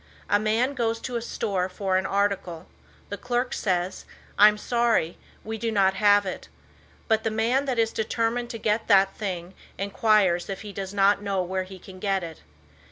A man goes to a store for an article. The clerk says, "I am sorry, we have not it." But the man that is determined to get that thing inquires if he doesn't know where he can get it.